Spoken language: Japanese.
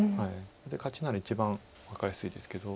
それで勝ちなら一番分かりやすいですけど。